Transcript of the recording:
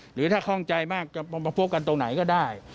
หรือถ้าคล่องใจมากจะมาพบกันตรงไหนก็ได้